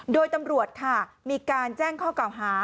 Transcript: โดยตำรวจค่ะมีการแจ้งข้อเก่าหา